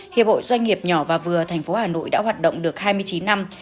hiệp hội doanh nghiệp nhỏ và vừa thành phố hà nội đã hoạt động được hai mươi chín năm